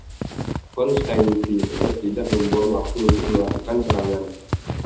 Constantine tidak membuang waktu untuk melakukan serangan.